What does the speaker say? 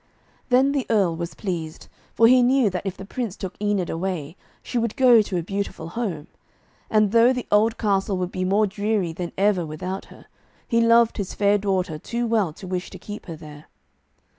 Then the Earl was pleased, for he knew that if the Prince took Enid away, she would go to a beautiful home. And though the old castle would be more dreary than ever without her, he loved his fair daughter too well to wish to keep her there.